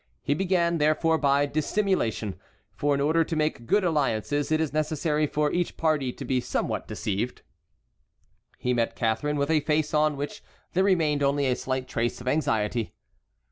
He began therefore by dissimulation, for in order to make good alliances it is necessary for each party to be somewhat deceived. He met Catharine with a face on which there remained only a slight trace of anxiety.